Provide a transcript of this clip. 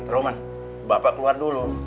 roman bapak keluar dulu